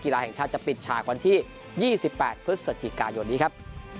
ลาแห่งชาติจะปิดฉากวันที่๒๘พฤศจิกายนนี้ครับ